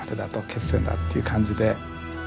決戦だっていう感じで。